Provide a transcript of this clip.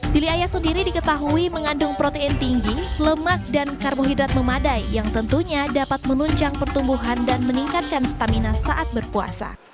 tili ayah sendiri diketahui mengandung protein tinggi lemak dan karbohidrat memadai yang tentunya dapat menunjang pertumbuhan dan meningkatkan stamina saat berpuasa